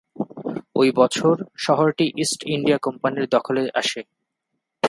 ঐ বছর শহরটি ইস্ট ইন্ডিয়া কোম্পানির দখলে আসে।